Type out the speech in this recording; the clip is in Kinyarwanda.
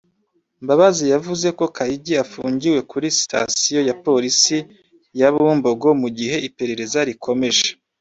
Mbabazi yavuze ko Kayigi afungiwe kuri sitasiyo ya Polisi ya Bumbogo mu gihe iperereza rikomeje